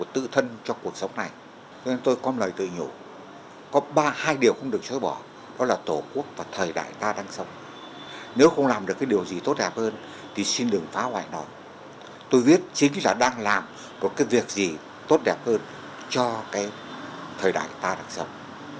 tôi biết chính là đang làm một cái việc gì tốt đẹp hơn cho cái thời đại ta đang sống